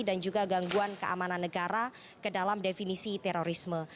dan juga gangguan keamanan negara ke dalam definisi terorisme